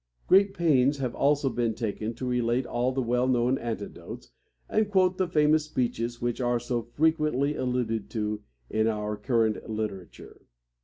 Great pains have also been taken to relate all the well known anecdotes and quote the famous speeches which are so frequently alluded to in our current literature.